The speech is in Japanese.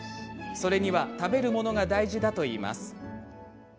それには、食べるものが大事だといいます。